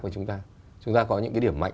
của chúng ta chúng ta có những cái điểm mạnh